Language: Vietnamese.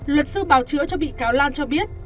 luật sư bào chữa cho bị cáo lan cho biết